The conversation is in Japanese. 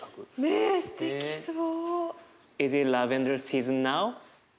ねえすてきそう。